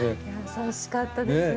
優しかったですね